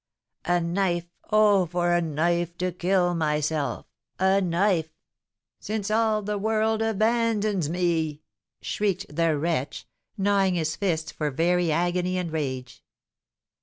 "A knife! Oh, for a knife to kill myself! A knife! since all the world abandons me!" shrieked the wretch, gnawing his fists for very agony and rage.